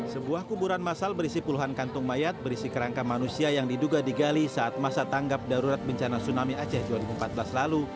sebuah kuburan masal berisi puluhan kantung mayat berisi kerangka manusia yang diduga digali saat masa tanggap darurat bencana tsunami aceh dua ribu empat belas lalu